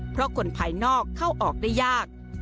เพราะคนภายนอกเข้าออกได้ยาก